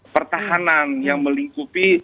pertahanan yang melingkupi